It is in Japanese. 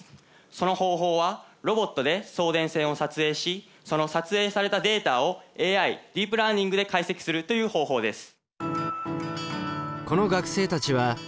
その方法はロボットで送電線を撮影しその撮影されたデータをＡＩディープラーニングで解析するという方法です。